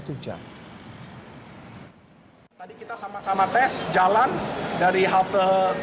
tadi kita sama sama tes jalan dari halte